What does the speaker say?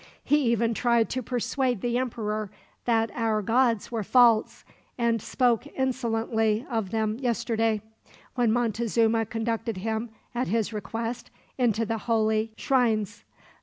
He even tried to persuade the emperor that our gods were false; and spoke insolently of them, yesterday, when Montezuma conducted him, at his request, into the holy shrines.